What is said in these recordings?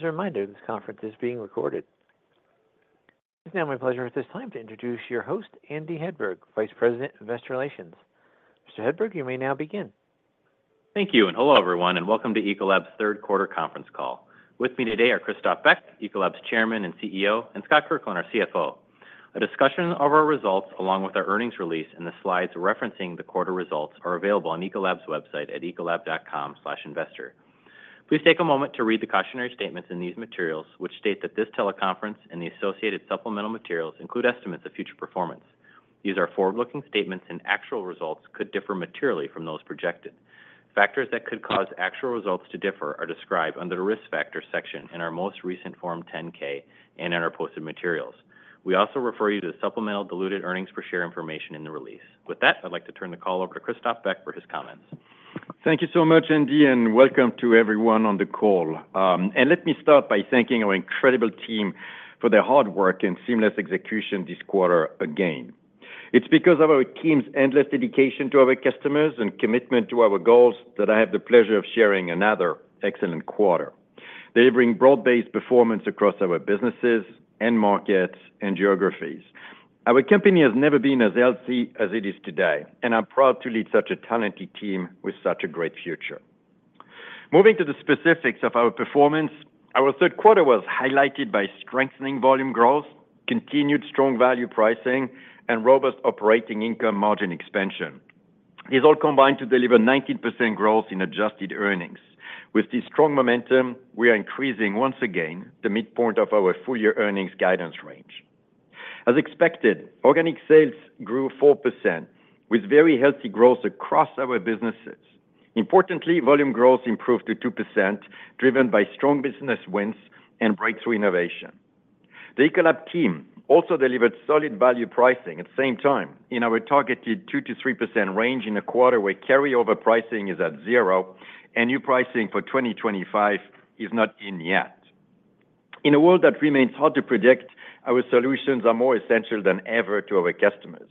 As a reminder, this conference is being recorded. It is now my pleasure at this time to introduce your host, Andy Hedberg, Vice President, Investor Relations. Mr. Hedberg, you may now begin. Thank you, and hello everyone, and welcome to Ecolab's third quarter conference call. With me today are Christophe Beck, Ecolab's Chairman and CEO, and Scott Kirkland, our CFO. A discussion of our results, along with our earnings release and the slides referencing the quarter results, are available on Ecolab's website at ecolab.com/investor. Please take a moment to read the cautionary statements in these materials, which state that this teleconference and the associated supplemental materials include estimates of future performance. These are forward-looking statements, and actual results could differ materially from those projected. Factors that could cause actual results to differ are described under the risk factor section in our most recent Form 10-K and in our posted materials. We also refer you to the supplemental diluted earnings per share information in the release. With that, I'd like to turn the call over to Christophe Beck for his comments. Thank you so much, Andy, and welcome to everyone on the call. And let me start by thanking our incredible team for their hard work and seamless execution this quarter again. It's because of our team's endless dedication to our customers and commitment to our goals that I have the pleasure of sharing another excellent quarter. Delivering broad-based performance across our businesses, markets, and geographies. Our company has never been as healthy as it is today, and I'm proud to lead such a talented team with such a great future. Moving to the specifics of our performance, our third quarter was highlighted by strengthening volume growth, continued strong value pricing, and robust operating income margin expansion. These all combined to deliver 19% growth in adjusted earnings. With this strong momentum, we are increasing once again the midpoint of our full-year earnings guidance range. As expected, organic sales grew 4%, with very healthy growth across our businesses. Importantly, volume growth improved to 2%, driven by strong business wins and breakthrough innovation. The Ecolab team also delivered solid value pricing at the same time in our targeted 2%-3% range in a quarter where carryover pricing is at zero, and new pricing for 2025 is not in yet. In a world that remains hard to predict, our solutions are more essential than ever to our customers.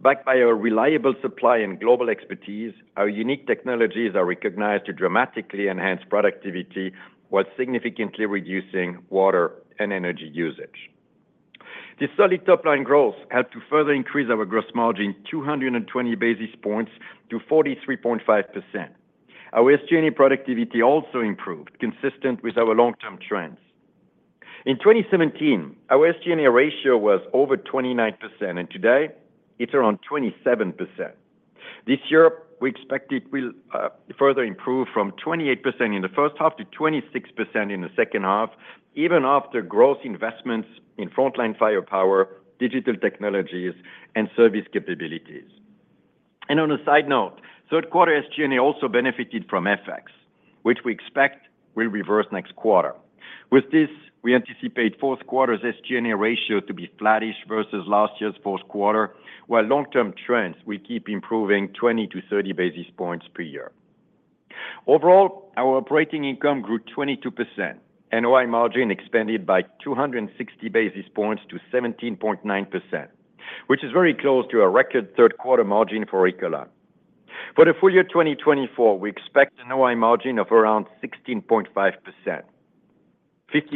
Backed by our reliable supply and global expertise, our unique technologies are recognized to dramatically enhance productivity while significantly reducing water and energy usage. This solid top-line growth helped to further increase our gross margin 220 basis points to 43.5%. Our SG&E productivity also improved, consistent with our long-term trends. In 2017, our SG&E ratio was over 29%, and today it's around 27%. This year, we expect it will further improve from 28% in the first half to 26% in the second half, even after gross investments in frontline firepower, digital technologies, and service capabilities, and on a side note, third quarter SG&E also benefited from FX, which we expect will reverse next quarter. With this, we anticipate fourth quarter's SG&E ratio to be flattish versus last year's fourth quarter, while long-term trends will keep improving 20-30 basis points per year. Overall, our operating income grew 22%, and OI margin expanded by 260 basis points to 17.9%, which is very close to our record third quarter margin for Ecolab. For the full year 2024, we expect an OI margin of around 16.5%, 50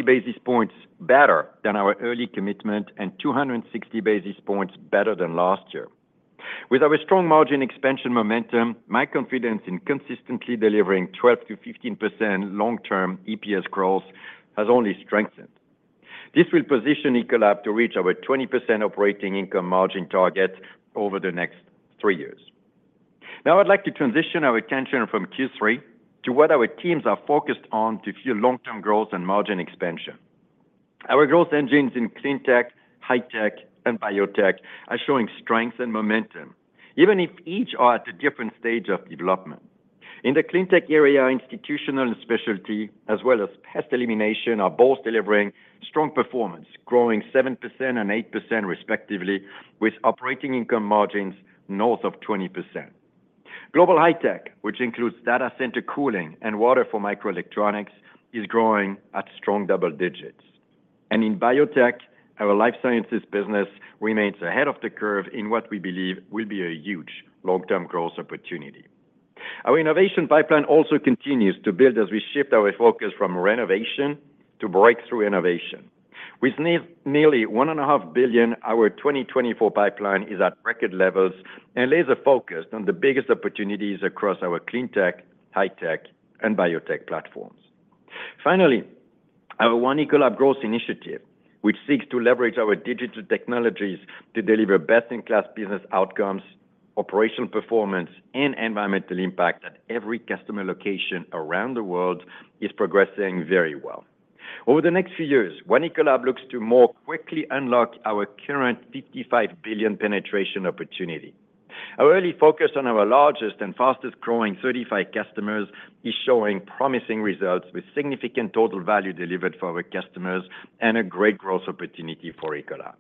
basis points better than our early commitment and 260 basis points better than last year. With our strong margin expansion momentum, my confidence in consistently delivering 12%-15% long-term EPS growth has only strengthened. This will position Ecolab to reach our 20% operating income margin target over the next three years. Now, I'd like to transition our attention from Q3 to what our teams are focused on to fuel long-term growth and margin expansion. Our growth engines in Clean Tech, High Tech, and Biotech are showing strength and momentum, even if each are at a different stage of development. In the clean Institutional & Specialty, as well as Pest Elimination, are both delivering strong performance, growing 7% and 8% respectively, with operating income margins north of 20%. Global High Tech, which includes data center cooling and water for microelectronics, is growing at strong double digits. And in Biotech, our Life Sciences business remains ahead of the curve in what we believe will be a huge long-term growth opportunity. Our innovation pipeline also continues to build as we shift our focus from renovation to breakthrough innovation. With nearly $1.5 billion, our 2024 pipeline is at record levels and laser-focused on the biggest opportunities across our Clean Tech, High Tech, and Biotech platforms. Finally, our One Ecolab Growth Initiative, which seeks to leverage our digital technologies to deliver best-in-class business outcomes, operational performance, and environmental impact at every customer location around the world, is progressing very well. Over the next few years, One Ecolab looks to more quickly unlock our current $55 billion penetration opportunity. Our early focus on our largest and fastest-growing 35 customers is showing promising results with significant total value delivered for our customers and a great growth opportunity for Ecolab.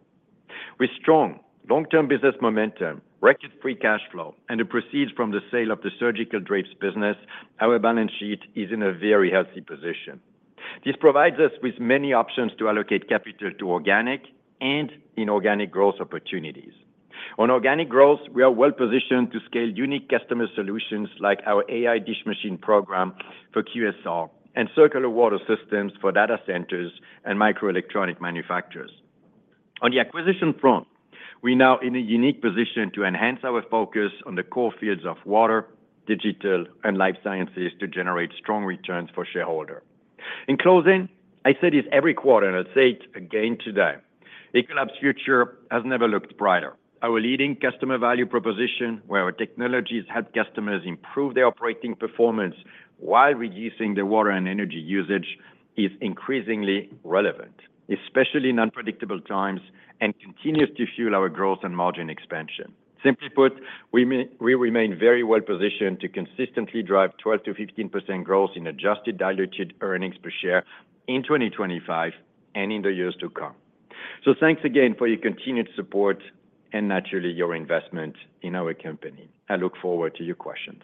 With strong long-term business momentum, record-free cash flow, and the proceeds from the sale of the surgical drapes business, our balance sheet is in a very healthy position. This provides us with many options to allocate capital to organic and inorganic growth opportunities. On organic growth, we are well-positioned to scale unique customer solutions like our AI dish machine program for QSR and circular water systems for data centers and microelectronic manufacturers. On the acquisition front, we are now in a unique position to enhance our focus on the core fields of water, digital, and Life Sciences to generate strong returns for shareholders. In closing, I say this every quarter, and I'll say it again today: Ecolab's future has never looked brighter. Our leading customer value proposition, where our technologies help customers improve their operating performance while reducing their water and energy usage, is increasingly relevant, especially in unpredictable times, and continues to fuel our growth and margin expansion. Simply put, we remain very well-positioned to consistently drive 12%-15% growth in adjusted diluted earnings per share in 2025 and in the years to come. So thanks again for your continued support and, naturally, your investment in our company. I look forward to your questions.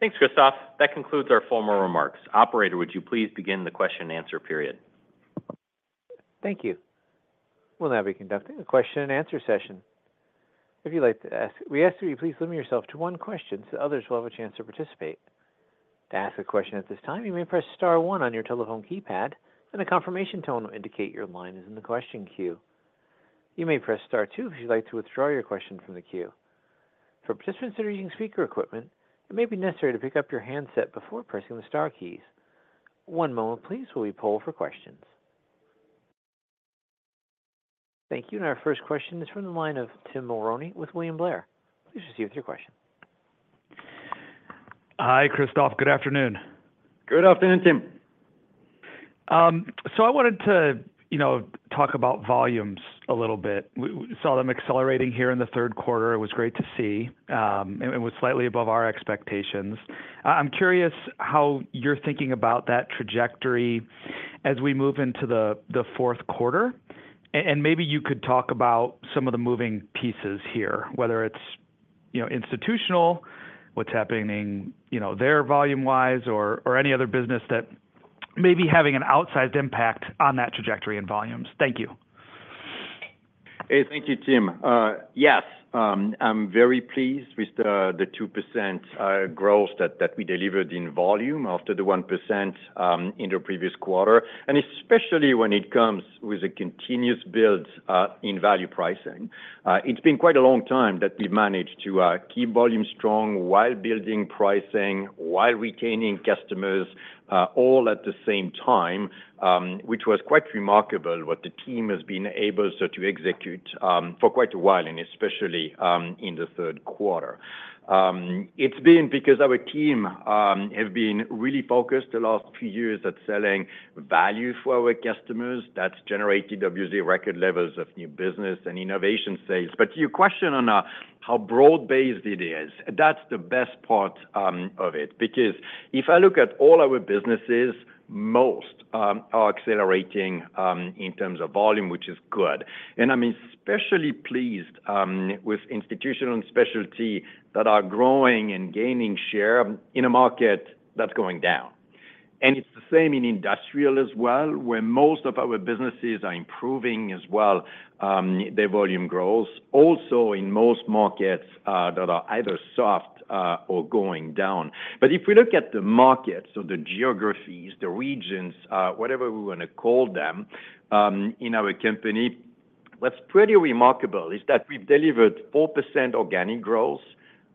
Thanks, Christophe. That concludes our formal remarks. Operator, would you please begin the question-and-answer period? Thank you. We'll now be conducting a question-and-answer session. If you'd like to ask, we ask that you please limit yourself to one question so others will have a chance to participate. To ask a question at this time, you may press star one on your telephone keypad, and a confirmation tone will indicate your line is in the question queue. You may press star two if you'd like to withdraw your question from the queue. For participants that are using speaker equipment, it may be necessary to pick up your handset before pressing the star keys. One moment, please, while we poll for questions. Thank you. And our first question is from the line of Tim Mulrooney with William Blair. Please proceed with your question. Hi, Christophe. Good afternoon. Good afternoon, Tim. I wanted to talk about volumes a little bit. We saw them accelerating here in the third quarter. It was great to see. It was slightly above our expectations. I'm curious how you're thinking about that trajectory as we move into the fourth quarter. And maybe you could talk about some of the moving pieces here, whether it's institutional, what's happening there volume-wise, or any other business that may be having an outsized impact on that trajectory in volumes. Thank you. Hey, thank you, Tim. Yes, I'm very pleased with the 2% growth that we delivered in volume after the 1% in the previous quarter, and especially when it comes with a continuous build in value pricing. It's been quite a long time that we've managed to keep volume strong while building pricing, while retaining customers all at the same time, which was quite remarkable what the team has been able to execute for quite a while, and especially in the third quarter. It's been because our team has been really focused the last few years at selling value for our customers. That's generated, obviously, record levels of new business and innovation sales. But your question on how broad-based it is, that's the best part of it, because if I look at all our businesses, most are accelerating in terms of volume, which is good. And I'm especially Institutional & Specialty that are growing and gaining share in a market that's going down. And it's the same in Industrial as well, where most of our businesses are improving as well. Their volume grows also in most markets that are either soft or going down. But if we look at the markets, so the geographies, the regions, whatever we want to call them in our company, what's pretty remarkable is that we've delivered 4% organic growth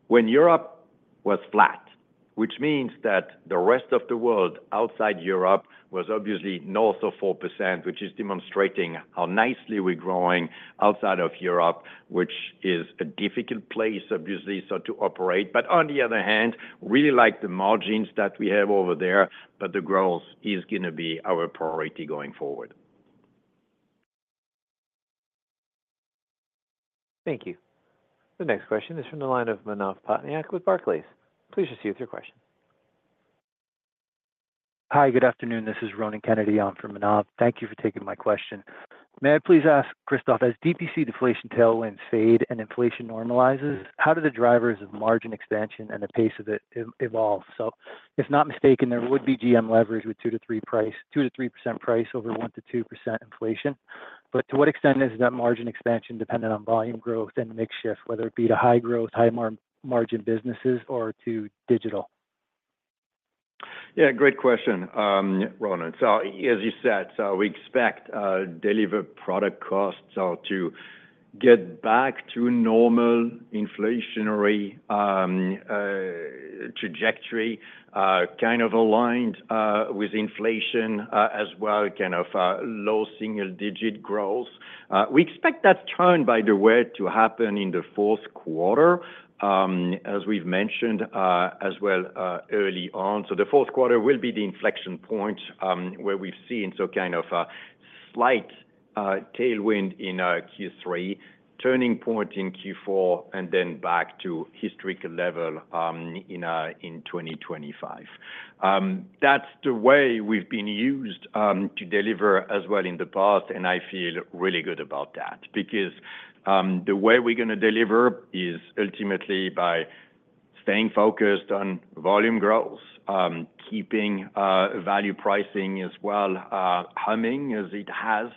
when Europe was flat, which means that the rest of the world outside Europe was obviously north of 4%, which is demonstrating how nicely we're growing outside of Europe, which is a difficult place, obviously, to operate. But on the other hand, we really like the margins that we have over there, but the growth is going to be our priority going forward. Thank you. The next question is from the line of Manav Patnaik with Barclays. Please proceed with your question. Hi, good afternoon. This is Ronan Kennedy. I'm from Manav Patnaik. Thank you for taking my question. May I please ask, Christophe Beck, as DPC deflation tailwinds fade and inflation normalizes, how do the drivers of margin expansion and the pace of it evolve? So, if not mistaken, there would be GM leverage with 2%-3% price over 1%-2% inflation. But to what extent is that margin expansion dependent on volume growth and mix shift, whether it be to high-growth, high-margin businesses, or to digital? Yeah, great question, Ronan. So as you said, we expect delivered product costs to get back to normal inflationary trajectory, kind of aligned with inflation as well, kind of low single-digit growth. We expect that turn, by the way, to happen in the fourth quarter, as we've mentioned as well early on. So the fourth quarter will be the inflection point where we've seen some kind of slight tailwind in Q3, turning point in Q4, and then back to historical level in 2025. That's the way we've been used to deliver as well in the past, and I feel really good about that because the way we're going to deliver is ultimately by staying focused on volume growth, keeping value pricing as well humming as it has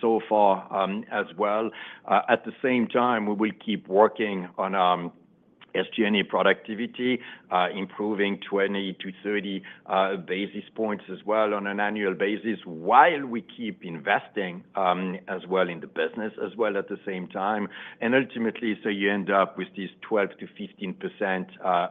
so far as well. At the same time, we will keep working on SG&E productivity, improving 20-30 basis points as well on an annual basis while we keep investing as well in the business as well at the same time, and ultimately, so you end up with these 12%-15%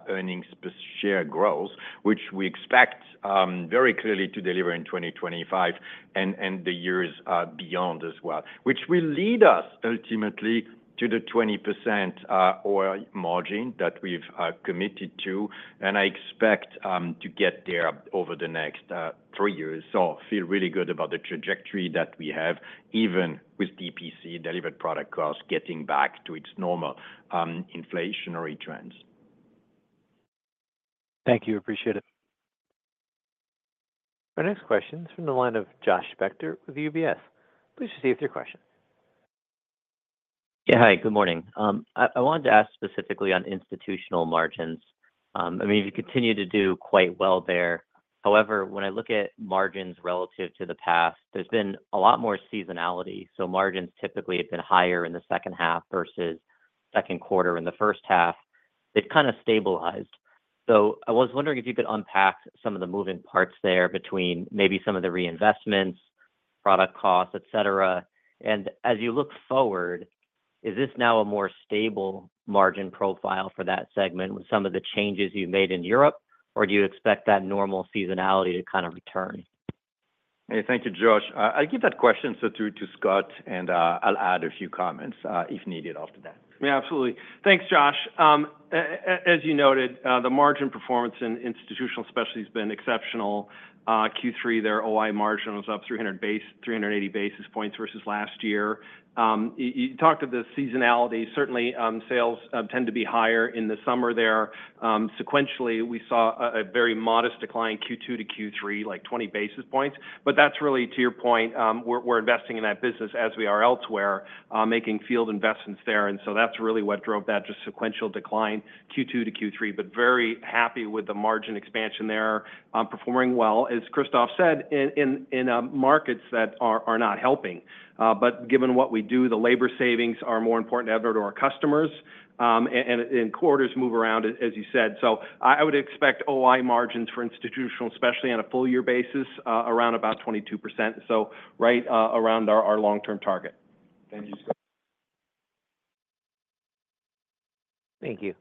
earnings per share growth, which we expect very clearly to deliver in 2025 and the years beyond as well, which will lead us ultimately to the 20% margin that we've committed to, and I expect to get there over the next three years, so I feel really good about the trajectory that we have, even with DPC delivered product costs getting back to its normal inflationary trends. Thank you. Appreciate it. Our next question is from the line of Josh Spector with UBS. Please proceed with your question. Yeah, hi. Good morning. I wanted to ask specifically on institutional margins. I mean, you continue to do quite well there. However, when I look at margins relative to the past, there's been a lot more seasonality. So margins typically have been higher in the second half versus second quarter in the first half. They've kind of stabilized. So I was wondering if you could unpack some of the moving parts there between maybe some of the reinvestments, product costs, etc. And as you look forward, is this now a more stable margin profile for that segment with some of the changes you've made in Europe, or do you expect that normal seasonality to kind of return? Hey, thank you, Josh. I'll give that question to Scott, and I'll add a few comments if needed after that. Yeah, absolutely. Thanks, Josh. As you noted, the margin performance in institutional specialty has been exceptional. Q3, their OI margin was up 380 basis points versus last year. You talked of the seasonality. Certainly, sales tend to be higher in the summer there. Sequentially, we saw a very modest decline Q2 to Q3, like 20 basis points. But that's really, to your point, we're investing in that business as we are elsewhere, making field investments there. And so that's really what drove that just sequential decline Q2 to Q3, but very happy with the margin expansion there, performing well, as Christophe said, in markets that are not helping. But given what we do, the labor savings are more important than ever to our customers, and quarters move around, as you said. I would expect OI margins for institutional, especially on a full-year basis, around about 22%, so right around our long-term target. Thank you, Scott. Thank you.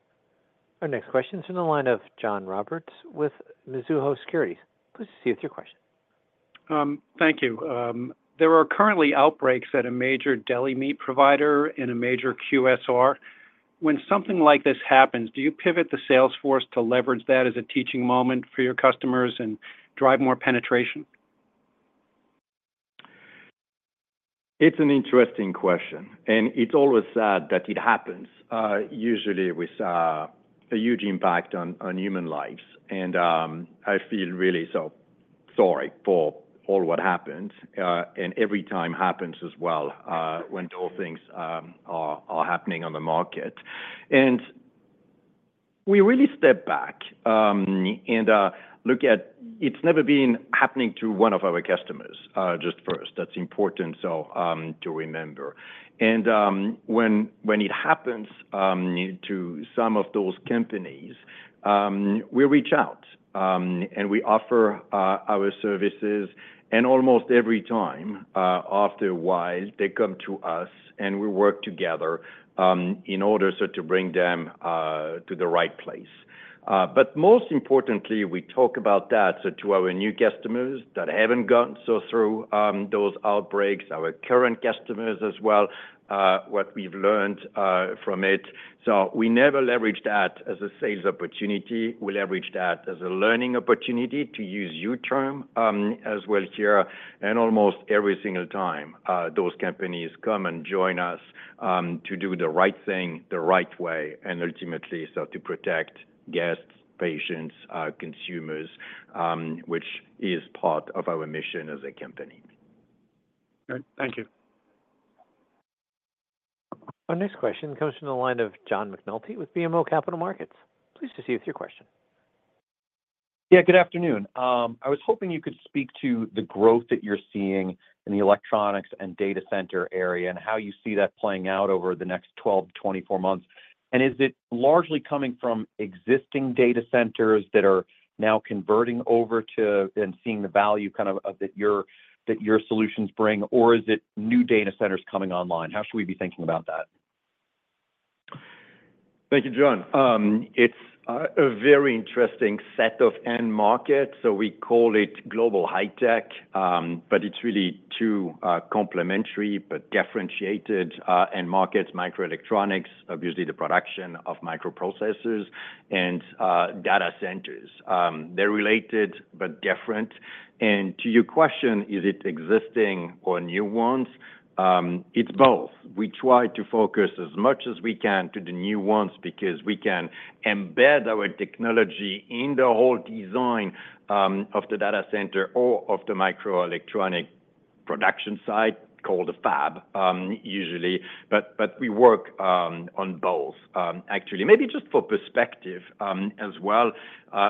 Our next question is from the line of John Roberts with Mizuho Securities. Please proceed with your question. Thank you. There are currently outbreaks at a major deli meat provider and a major QSR. When something like this happens, do you pivot the sales force to leverage that as a teaching moment for your customers and drive more penetration? It's an interesting question, and it's always sad that it happens, usually with a huge impact on human lives, and I feel really so sorry for all what happens, and every time happens as well when those things are happening on the market, and we really step back and look at it's never been happening to one of our customers just first. That's important to remember, and when it happens to some of those companies, we reach out and we offer our services, and almost every time after a while, they come to us, and we work together in order to bring them to the right place, but most importantly, we talk about that to our new customers that haven't gotten so through those outbreaks, our current customers as well, what we've learned from it, so we never leverage that as a sales opportunity. We leverage that as a learning opportunity to use your term as well here, and almost every single time, those companies come and join us to do the right thing the right way, and ultimately to protect guests, patients, consumers, which is part of our mission as a company. Thank you. Our next question comes from the line of John McNulty with BMO Capital Markets. Please proceed with your question. Yeah, good afternoon. I was hoping you could speak to the growth that you're seeing in the electronics and data center area and how you see that playing out over the next 12-24 months. And is it largely coming from existing data centers that are now converting over to and seeing the value kind of that your solutions bring, or is it new data centers coming online? How should we be thinking about that? Thank you, John. It's a very interesting set of end markets. So we call it global High Tech, but it's really two complementary but differentiated end markets, microelectronics, obviously the production of microprocessors and data centers. They're related but different. And to your question, is it existing or new ones? It's both. We try to focus as much as we can to the new ones because we can embed our technology in the whole design of the data center or of the microelectronic production site called a fab, usually. But we work on both, actually. Maybe just for perspective as well,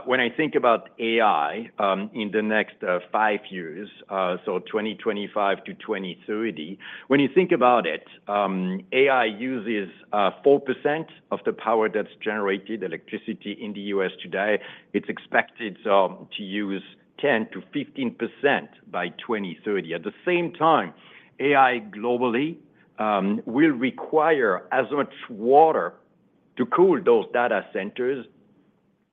when I think about AI in the next five years, so 2025 to 2030, when you think about it, AI uses 4% of the power that's generated electricity in the U.S. today. It's expected to use 10%-15% by 2030. At the same time, AI globally will require as much water to cool those data centers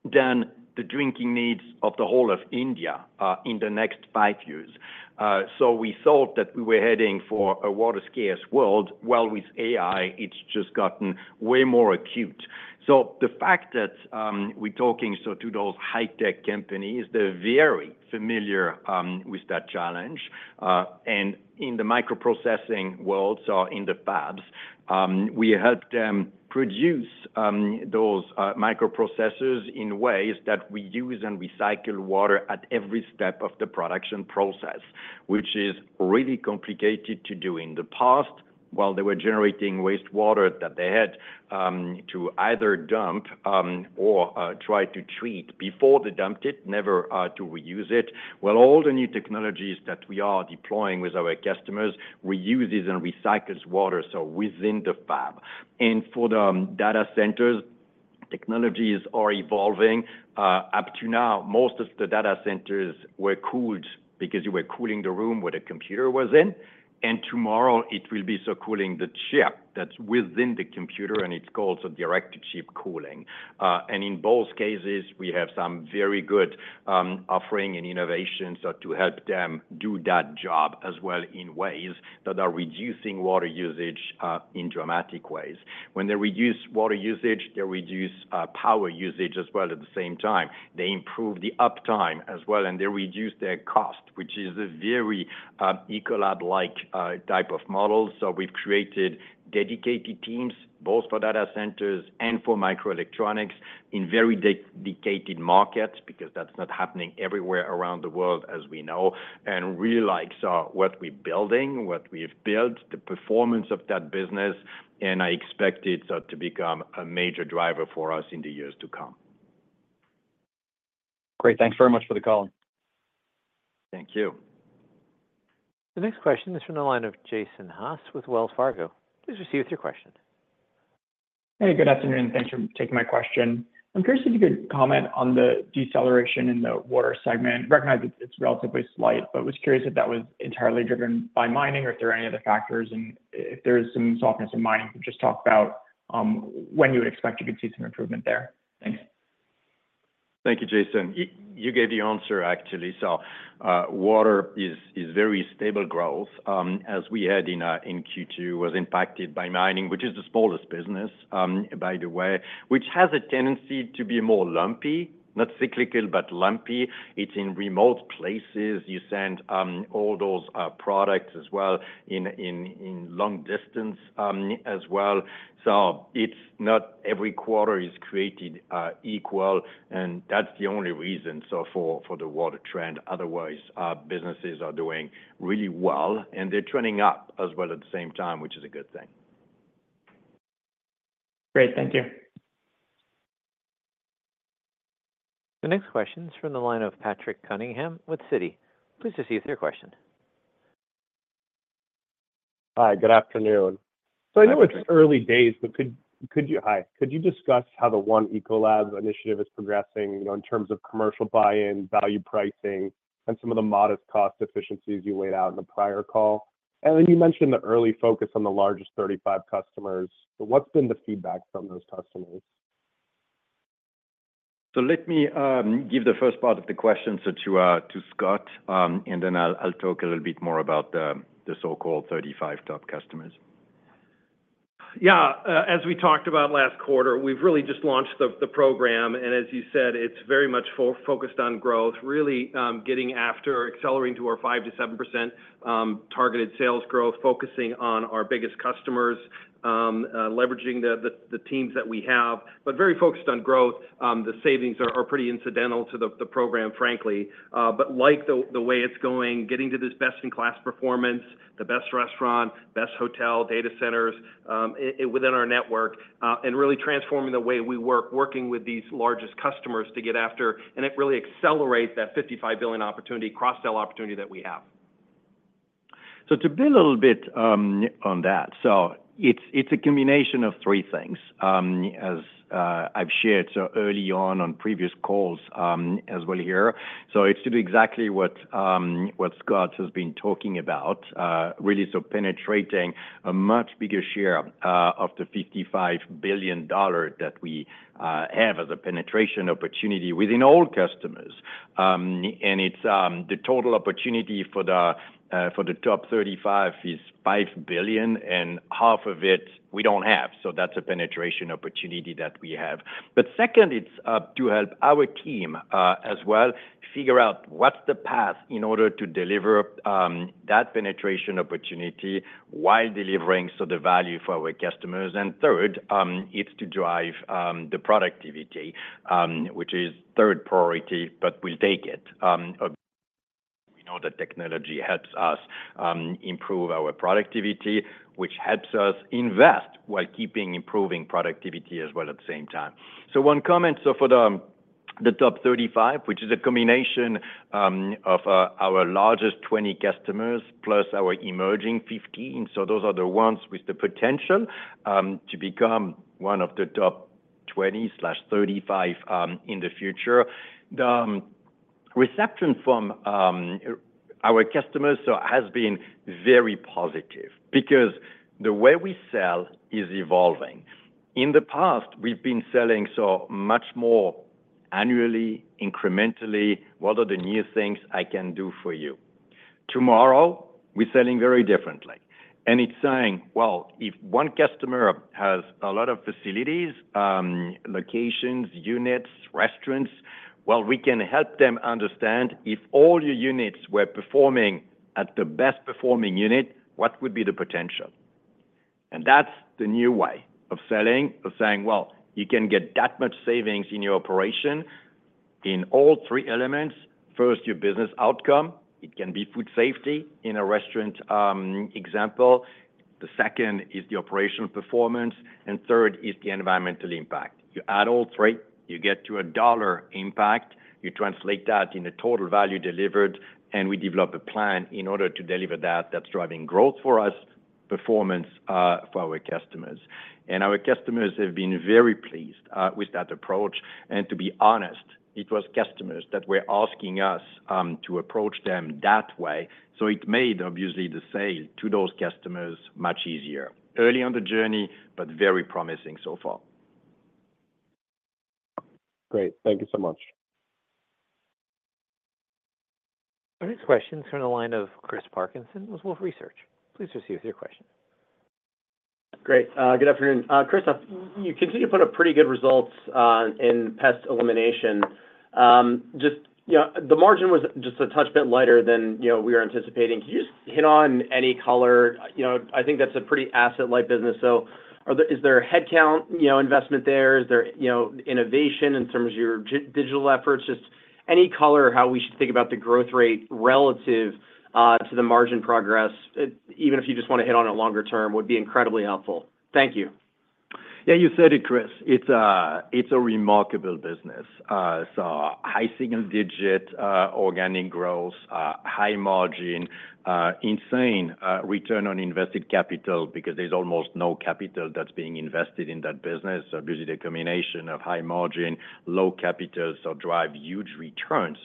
than the drinking needs of the whole of India in the next five years. So we thought that we were heading for a water-scarce world. Well, with AI, it's just gotten way more acute. So the fact that we're talking to those High Tech companies, they're very familiar with that challenge. And in the microprocessing world, so in the fabs, we help them produce those microprocessors in ways that we use and recycle water at every step of the production process, which is really complicated to do in the past while they were generating wastewater that they had to either dump or try to treat before they dumped it, never to reuse it. Well, all the new technologies that we are deploying with our customers reuses and recycles water, so within the fab. And for the data centers, technologies are evolving. Up to now, most of the data centers were cooled because you were cooling the room where the computer was in. And tomorrow, it will be so cooling the chip that's within the computer, and it's called so direct-to-chip cooling. And in both cases, we have some very good offering and innovations to help them do that job as well in ways that are reducing water usage in dramatic ways. When they reduce water usage, they reduce power usage as well at the same time. They improve the uptime as well, and they reduce their cost, which is a very Ecolab-like type of model. So we've created dedicated teams both for data centers and for microelectronics in very dedicated markets because that's not happening everywhere around the world, as we know, and really like what we're building, what we've built, the performance of that business. And I expect it to become a major driver for us in the years to come. Great. Thanks very much for the color. Thank you. The next question is from the line of Jason Haas with Wells Fargo. Please proceed with your question. Hey, good afternoon. Thanks for taking my question. I'm curious if you could comment on the deceleration in the water segment. Recognize it's relatively slight, but was curious if that was entirely driven by mining or if there are any other factors, and if there is some softness in mining, to just talk about when you would expect you could see some improvement there. Thanks. Thank you, Jason. You gave the answer, actually. So water is very stable growth, as we had in Q2, was impacted by mining, which is the smallest business, by the way, which has a tendency to be more lumpy, not cyclical, but lumpy. It's in remote places. You send all those products as well in long distance as well. So it's not every quarter is created equal, and that's the only reason for the water trend. Otherwise, businesses are doing really well, and they're turning up as well at the same time, which is a good thing. Great. Thank you. The next question is from the line of Patrick Cunningham with Citi. Please proceed with your question. Hi, good afternoon. So I know it's early days, but hi, could you discuss how the One Ecolab Initiative is progressing in terms of commercial buy-in, value pricing, and some of the modest cost efficiencies you laid out in the prior call? And then you mentioned the early focus on the largest 35 customers, but what's been the feedback from those customers? So let me give the first part of the question to Scott, and then I'll talk a little bit more about the so-called 35 top customers. Yeah, as we talked about last quarter, we've really just launched the program. And as you said, it's very much focused on growth, really getting after accelerating to our 5%-7% targeted sales growth, focusing on our biggest customers, leveraging the teams that we have, but very focused on growth. The savings are pretty incidental to the program, frankly. But like the way it's going, getting to this best-in-class performance, the best restaurant, best hotel, data centers within our network, and really transforming the way we work, working with these largest customers to get after, and it really accelerates that $55 billion opportunity, cross-sell opportunity that we have. So to build a little bit on that, so it's a combination of three things, as I've shared early on previous calls as well here. So it's to do exactly what Scott has been talking about, really so penetrating a much bigger share of the $55 billion that we have as a penetration opportunity within all customers. And the total opportunity for the top 35 is $5 billion, and half of it we don't have. So that's a penetration opportunity that we have. But second, it's to help our team as well figure out what's the path in order to deliver that penetration opportunity while delivering the value for our customers. And third, it's to drive the productivity, which is third priority, but we'll take it. We know that technology helps us improve our productivity, which helps us invest while keeping improving productivity as well at the same time. One comment for the top 35, which is a combination of our largest 20 customers plus our emerging 15. So those are the ones with the potential to become one of the top 20/35 in the future. The reception from our customers has been very positive because the way we sell is evolving. In the past, we've been selling so much more annually, incrementally, what are the new things I can do for you? Tomorrow, we're selling very differently. And it's saying, well, if one customer has a lot of facilities, locations, units, restaurants, well, we can help them understand if all your units were performing at the best performing unit, what would be the potential? And that's the new way of selling, of saying, well, you can get that much savings in your operation in all three elements. First, your business outcome. It can be food safety in a restaurant example. The second is the operational performance, and third is the environmental impact. You add all three, you get to a dollar impact. You translate that in a total value delivered, and we develop a plan in order to deliver that that's driving growth for us, performance for our customers. Our customers have been very pleased with that approach, and to be honest, it was customers that were asking us to approach them that way. So it made, obviously, the sale to those customers much easier. Early on the journey, but very promising so far. Great. Thank you so much. The next question is from the line of Chris Parkinson with Wolfe Research. Please proceed with your question. Great. Good afternoon. Christophe, you continue to put up pretty good results in Pest Elimination. The margin was just a touch bit lighter than we were anticipating. Can you just hit on any color? I think that's a pretty asset-like business. So is there headcount investment there? Is there innovation in terms of your digital efforts? Just any color of how we should think about the growth rate relative to the margin progress, even if you just want to hit on it longer term, would be incredibly helpful. Thank you. Yeah, you said it, Chris. It's a remarkable business. So high single-digit organic growth, high margin, insane return on invested capital because there's almost no capital that's being invested in that business. Obviously, the combination of high margin, low capitals drive huge returns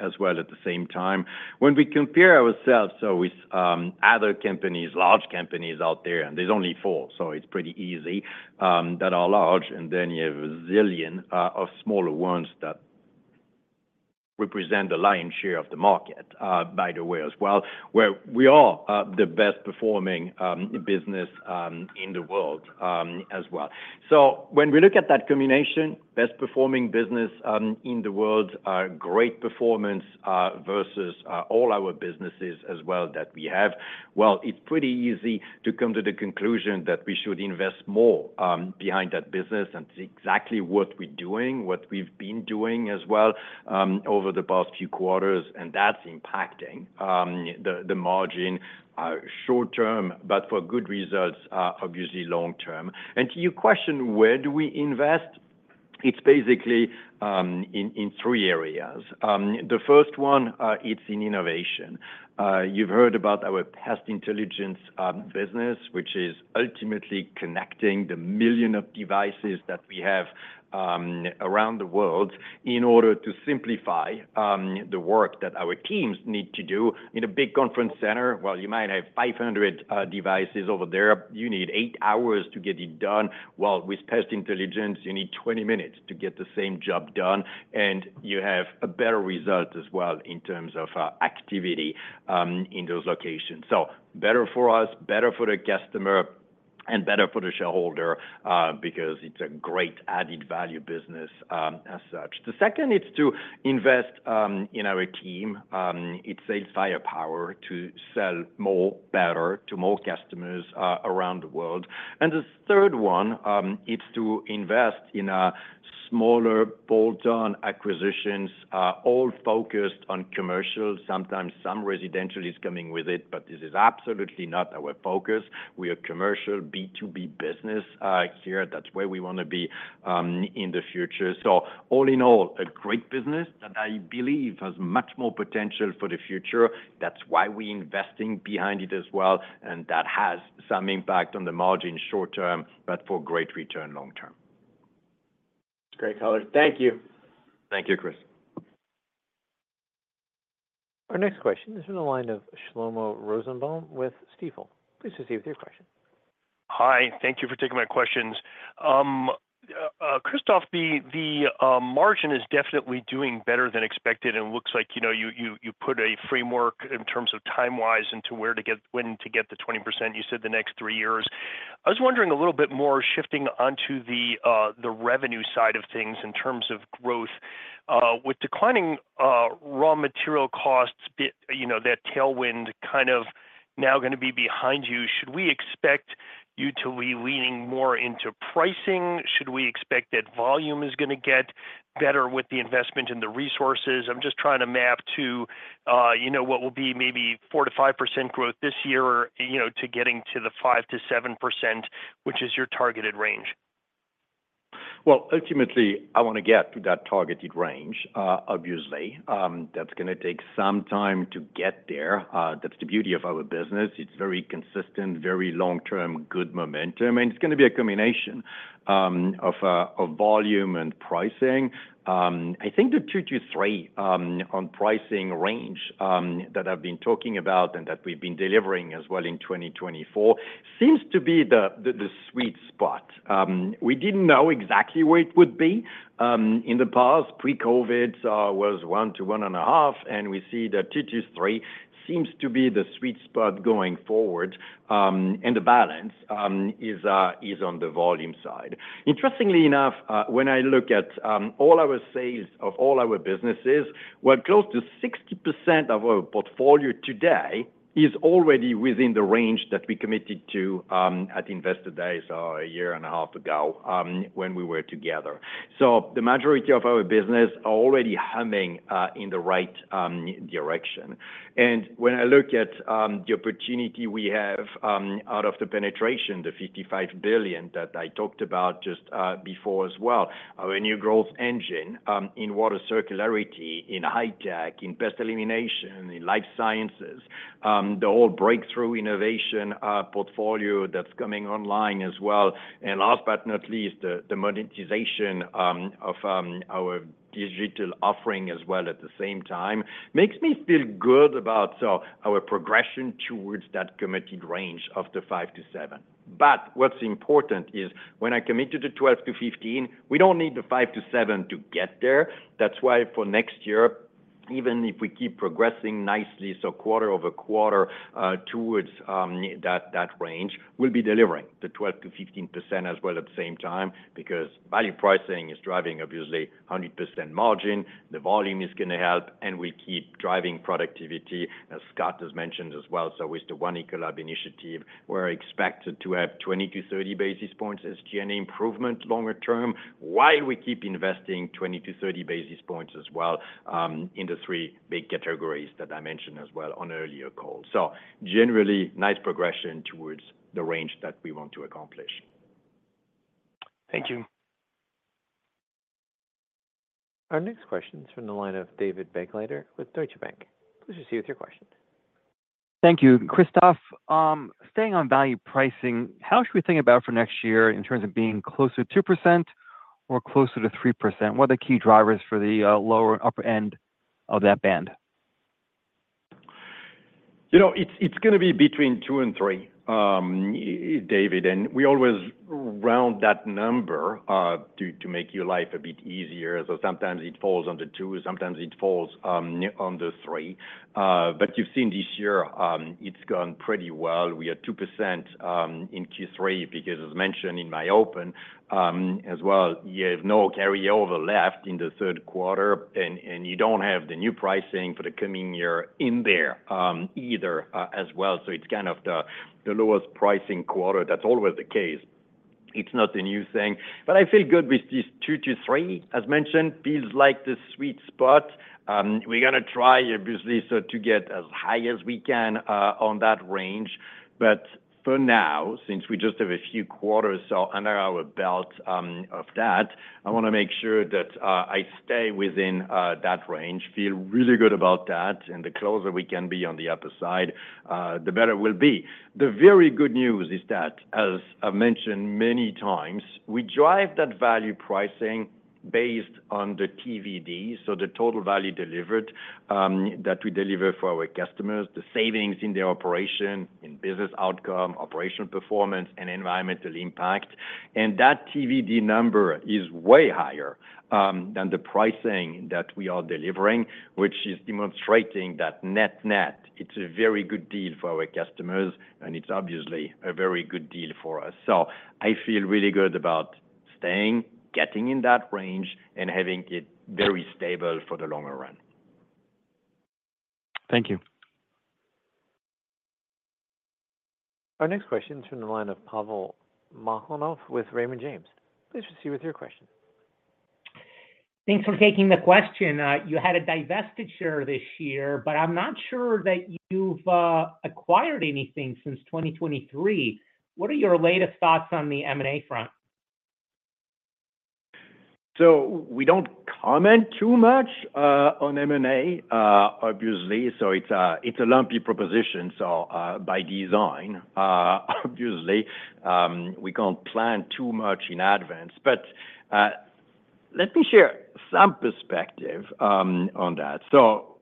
as well at the same time. When we compare ourselves with other companies, large companies out there, and there's only four, so it's pretty easy that are large, and then you have a zillion of smaller ones that represent the lion's share of the market, by the way, as well, where we are the best-performing business in the world as well. So when we look at that combination, best-performing business in the world, great performance versus all our businesses as well that we have. Well, it's pretty easy to come to the conclusion that we should invest more behind that business. It's exactly what we're doing, what we've been doing as well over the past few quarters, and that's impacting the margin short-term, but for good results, obviously, long-term. To your question, where do we invest? It's basically in three areas. The first one, it's in innovation. You've heard about our Pest Intelligence business, which is ultimately connecting the millions of devices that we have around the world in order to simplify the work that our teams need to do in a big conference center. You might have 500 devices over there. You need eight hours to get it done. With Pest Intelligence, you need 20 minutes to get the same job done, and you have a better result as well in terms of activity in those locations. So better for us, better for the customer, and better for the shareholder because it's a great added value business as such. The second is to invest in our team. It's sales firepower to sell more, better to more customers around the world. And the third one is to invest in smaller bolt-on acquisitions, all focused on commercial. Sometimes some residential is coming with it, but this is absolutely not our focus. We are a commercial B2B business here. That's where we want to be in the future. So all in all, a great business that I believe has much more potential for the future. That's why we're investing behind it as well, and that has some impact on the margin short-term, but for great return long-term. That's great, color. Thank you. Thank you, Chris. Our next question is from the line of Shlomo Rosenbaum with Stifel. Please proceed with your question. Hi. Thank you for taking my questions. Christophe, the margin is definitely doing better than expected, and it looks like you put a framework in terms of time-wise into where to get, when to get the 20%. You said the next three years. I was wondering a little bit more, shifting onto the revenue side of things in terms of growth. With declining raw material costs, that tailwind kind of now going to be behind you, should we expect you to be leaning more into pricing? Should we expect that volume is going to get better with the investment and the resources? I'm just trying to map to what will be maybe 4%-5% growth this year to getting to the 5%-7%, which is your targeted range. Ultimately, I want to get to that targeted range, obviously. That's going to take some time to get there. That's the beauty of our business. It's very consistent, very long-term, good momentum. And it's going to be a combination of volume and pricing. I think the two to three on pricing range that I've been talking about and that we've been delivering as well in 2024 seems to be the sweet spot. We didn't know exactly where it would be. In the past, pre-COVID, it was one to one and a half, and we see that two to three seems to be the sweet spot going forward, and the balance is on the volume side. Interestingly enough, when I look at all our sales of all our businesses, well, close to 60% of our portfolio today is already within the range that we committed to at Investor Days a year and a half ago when we were together, so the majority of our business are already humming in the right direction, and when I look at the opportunity we have out of the penetration, the $55 billion that I talked about just before as well, our new growth engine in water circularity, in High Tech, in Pest Elimination, in Life Sciences, the whole breakthrough innovation portfolio that's coming online as well, and last but not least, the monetization of our digital offering as well at the same time makes me feel good about our progression towards that committed range of the 5%-7%. But what's important is when I committed to 12%-15%, we don't need the 5%-7% to get there. That's why for next year, even if we keep progressing nicely, so quarter over quarter towards that range, we'll be delivering the 12%-15% as well at the same time because value pricing is driving, obviously, 100% margin. The volume is going to help, and we'll keep driving productivity, as Scott has mentioned as well. So with the One Ecolab Initiative, we're expected to have 20-30 basis points SG&A improvement longer term while we keep investing 20-30 basis points as well in the three big categories that I mentioned as well on earlier calls. So generally, nice progression towards the range that we want to accomplish. Thank you. Our next question is from the line of David Begleiter with Deutsche Bank. Please proceed with your question. Thank you, Christophe. Staying on value pricing, how should we think about for next year in terms of being closer to 2% or closer to 3%? What are the key drivers for the lower and upper end of that band? It's going to be between 2% and 3%, David. And we always round that number to make your life a bit easier. So sometimes it falls under 2%. Sometimes it falls under 3%. But you've seen this year, it's gone pretty well. We are 2% in Q3 because, as mentioned in my open as well, you have no carryover left in the third quarter, and you don't have the new pricing for the coming year in there either as well. So it's kind of the lowest pricing quarter. That's always the case. It's not a new thing. But I feel good with this 2% to 3%, as mentioned. Feels like the sweet spot. We're going to try, obviously, to get as high as we can on that range. But for now, since we just have a few quarters under our belt of that, I want to make sure that I stay within that range. Feel really good about that. And the closer we can be on the upper side, the better it will be. The very good news is that, as I've mentioned many times, we drive that value pricing based on the TVD, so the total value delivered that we deliver for our customers, the savings in their operation, in business outcome, operational performance, and environmental impact. And that TVD number is way higher than the pricing that we are delivering, which is demonstrating that net-net, it's a very good deal for our customers, and it's obviously a very good deal for us. So I feel really good about staying, getting in that range, and having it very stable for the longer run. Thank you. Our next question is from the line of Pavel Molchanov with Raymond James. Please proceed with your question. Thanks for taking the question. You had a divestiture this year, but I'm not sure that you've acquired anything since 2023. What are your latest thoughts on the M&A front? We don't comment too much on M&A, obviously. It's a lumpy proposition, so by design, obviously. We can't plan too much in advance. But let me share some perspective on that.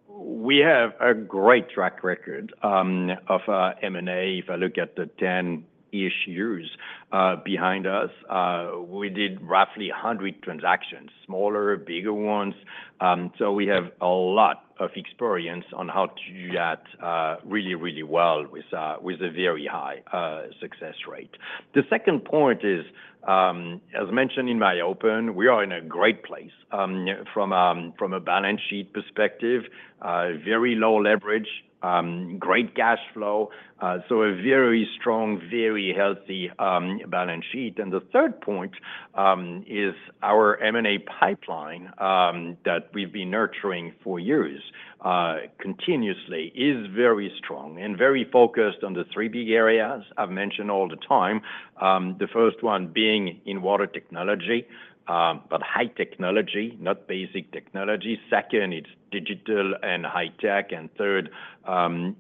We have a great track record of M&A. If I look at the 10-ish years behind us, we did roughly 100 transactions, smaller, bigger ones. We have a lot of experience on how to do that really, really well with a very high success rate. The second point is, as mentioned in my open, we are in a great place from a balance sheet perspective, very low leverage, great cash flow, so a very strong, very healthy balance sheet. And the third point is our M&A pipeline that we've been nurturing for years continuously is very strong and very focused on the three big areas I've mentioned all the time, the first one being in water technology, but high technology, not basic technology. Second, it's digital and High Tech. And third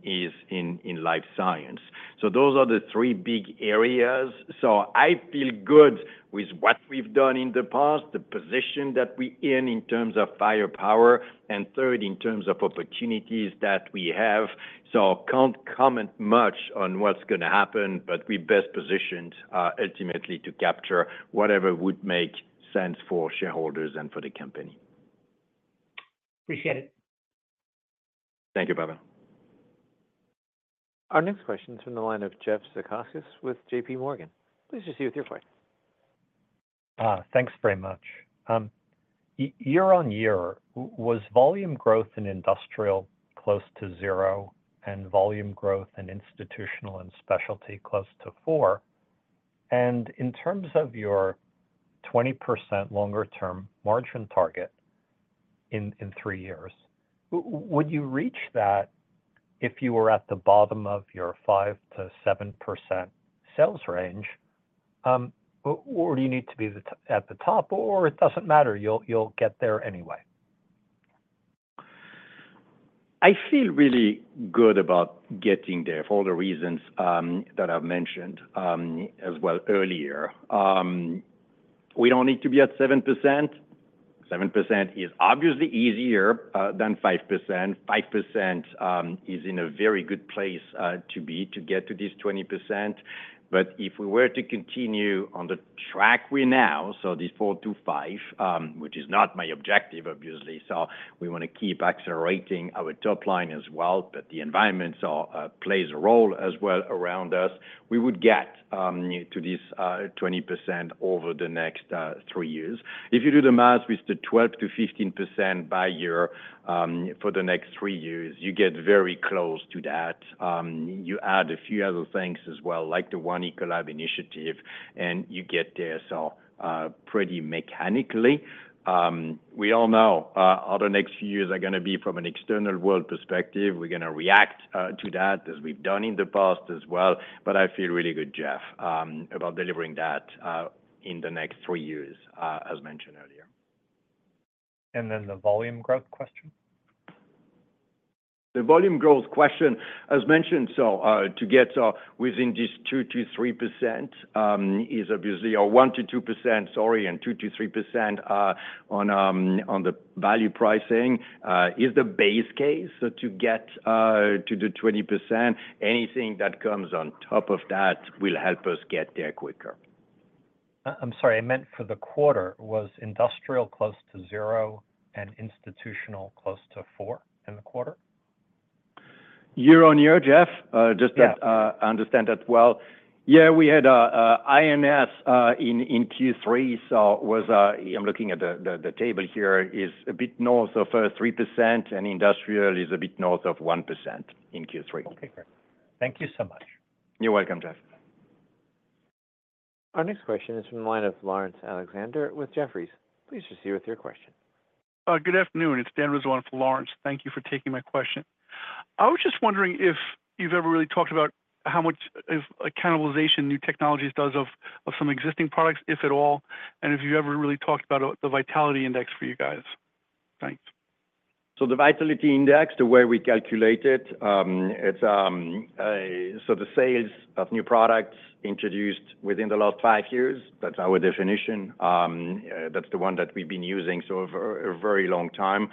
is in life science. So those are the three big areas. So I feel good with what we've done in the past, the position that we're in in terms of firepower, and third, in terms of opportunities that we have. So I can't comment much on what's going to happen, but we're best positioned ultimately to capture whatever would make sense for shareholders and for the company. Appreciate it. Thank you, Pavel. Our next question is from the line of Jeff Zekauskas with JPMorgan. Please proceed with your question. Thanks very much. Year-on-year, was volume growth in industrial close to zero and volume Institutional & Specialty close to four? And in terms of your 20% longer-term margin target in three years, would you reach that if you were at the bottom of your 5%-7% sales range, or do you need to be at the top, or it doesn't matter? You'll get there anyway. I feel really good about getting there for all the reasons that I've mentioned as well earlier. We don't need to be at 7%. 7% is obviously easier than 5%. 5% is in a very good place to be to get to this 20%. But if we were to continue on the track we're now, so this 4%-5%, which is not my objective, obviously, so we want to keep accelerating our top line as well, but the environment plays a role as well around us, we would get to this 20% over the next three years. If you do the math with the 12%-15% by year for the next three years, you get very close to that. You add a few other things as well, like the One Ecolab Initiative, and you get there so pretty mechanically. We all know how the next few years are going to be from an external world perspective. We're going to react to that as we've done in the past as well. But I feel really good, Jeff, about delivering that in the next three years, as mentioned earlier. And then the volume growth question. The volume growth question, as mentioned, so to get within this 2%-3% is obviously our 1%-2%, sorry, and 2%-3% on the value pricing is the base case to get to the 20%. Anything that comes on top of that will help us get there quicker. I'm sorry, I meant for the quarter, was industrial close to zero and institutional close to four in the quarter? Year on year, Jeff, just to understand that well. Yeah, we had INS in Q3, so I'm looking at the table here, is a bit north of 3%, and industrial is a bit north of 1% in Q3. Okay, great. Thank you so much. You're welcome, Jeff. Our next question is from the line of Laurence Alexander with Jefferies. Please proceed with your question. Good afternoon. It's Dan Rizzo for Laurence. Thank you for taking my question. I was just wondering if you've ever really talked about how much cannibalization new technologies does of some existing products, if at all, and if you've ever really talked about the Vitality Index for you guys. Thanks. So the Vitality Index, the way we calculate it, it's the sales of new products introduced within the last five years. That's our definition. That's the one that we've been using for a very long time.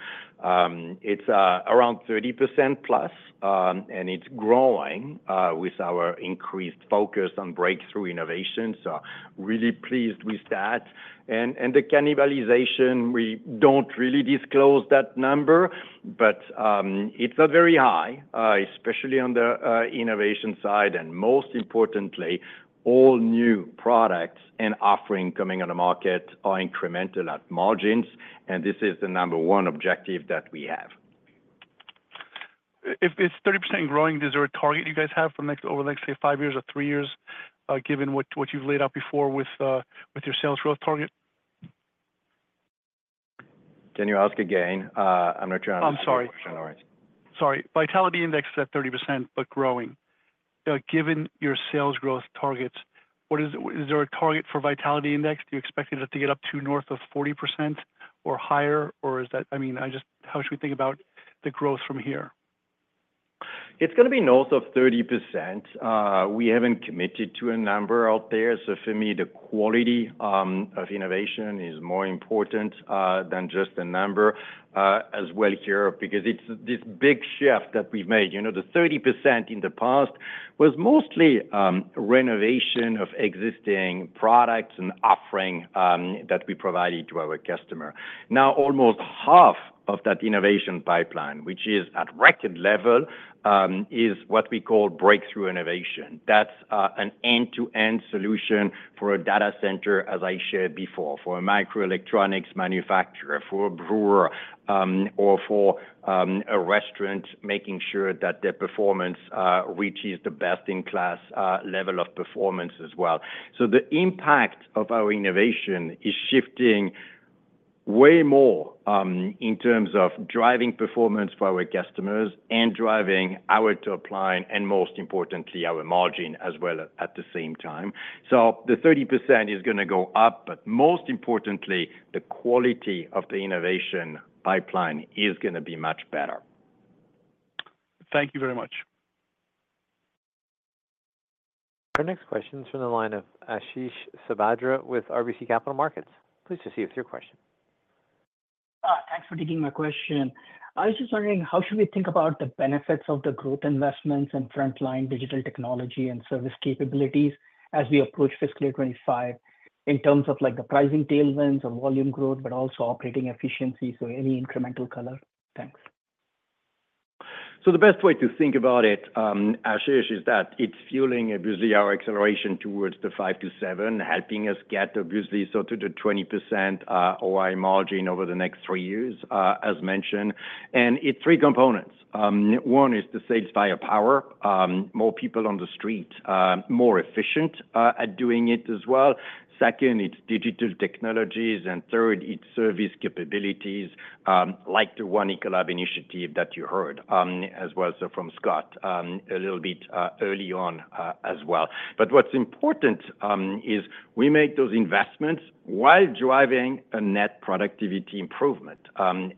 It's around 30% plus, and it's growing with our increased focus on breakthrough innovation. So really pleased with that. And the cannibalization, we don't really disclose that number, but it's not very high, especially on the innovation side. And most importantly, all new products and offerings coming on the market are incremental at margins, and this is the number one objective that we have. If it's 30% growing, is there a target you guys have for over the next, say, five years or three years, given what you've laid out before with your sales growth target? Can you ask again? I'm not sure I understand your question, Laurence. I'm sorry. Vitality Index at 30%, but growing. Given your sales growth targets, is there a target for Vitality Index? Do you expect it to get up to north of 40% or higher, or is that, I mean, how should we think about the growth from here? It's going to be north of 30%. We haven't committed to a number out there. So for me, the quality of innovation is more important than just a number as well here because it's this big shift that we've made. The 30% in the past was mostly renovation of existing products and offering that we provided to our customer. Now, almost half of that innovation pipeline, which is at record level, is what we call breakthrough innovation. That's an end-to-end solution for a data center, as I shared before, for a microelectronics manufacturer, for a brewer, or for a restaurant, making sure that their performance reaches the best-in-class level of performance as well. So the impact of our innovation is shifting way more in terms of driving performance for our customers and driving our top line and, most importantly, our margin as well at the same time. So the 30% is going to go up, but most importantly, the quality of the innovation pipeline is going to be much better. Thank you very much. Our next question is from the line of Ashish Sabadra with RBC Capital Markets. Please proceed with your question. Thanks for taking my question. I was just wondering, how should we think about the benefits of the growth investments and frontline digital technology and service capabilities as we approach fiscal year 2025 in terms of the pricing tailwinds or volume growth, but also operating efficiency, so any incremental color? Thanks. The best way to think about it, Ashish, is that it's fueling obviously our acceleration towards the 5%-7%, helping us get obviously sort of the 20% OI margin over the next three years, as mentioned. It's three components. One is the sales via power, more people on the street, more efficient at doing it as well. Second, it's digital technologies. Third, it's service capabilities like the One Ecolab Initiative that you heard as well from Scott a little bit early on as well. What's important is we make those investments while driving a net productivity improvement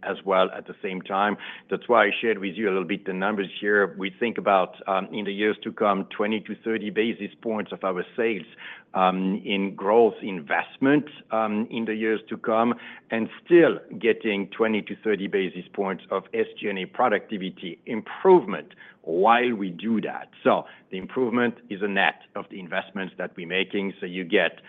as well at the same time. That's why I shared with you a little bit the numbers here. We think, in the years to come, 20-30 basis points of our sales in growth investment in the years to come and still getting 20-30 basis points of SG&A productivity improvement while we do that. So the improvement is a net of the investments that we're making. So you get